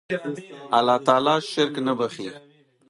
الله تعالی شرک نه بخښي